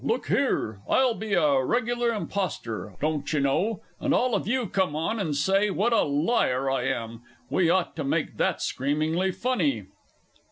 Look here, I'll be a regular impostor, don't you know, and all of you come on and say what a liar I am. We ought to make that screamingly funny!